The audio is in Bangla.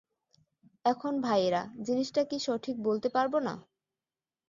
এখন ভায়েরা, জিনিসটা কী সঠিক বলতে পারবো না!